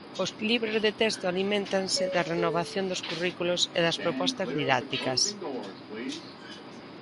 Os libros de texto aliméntanse da renovación dos currículos e das propostas didácticas.